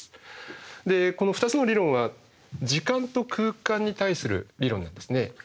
でこの２つの理論は時間と空間に対する理論なんですね。